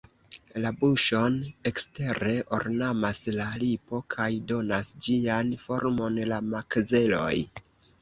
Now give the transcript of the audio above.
La buŝon ekstere ornamas la lipo kaj donas ĝian formon la makzeloj.